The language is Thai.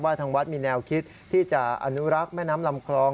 ทางวัดมีแนวคิดที่จะอนุรักษ์แม่น้ำลำคลอง